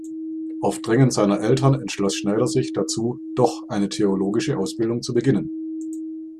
Auf Drängen seiner Eltern entschloss Schneider sich dazu, doch eine theologische Ausbildung zu beginnen.